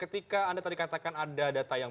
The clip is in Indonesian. ketika anda tadi katakan ada data yang